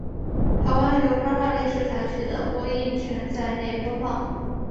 台湾由八大电视台取得播映权在内播放。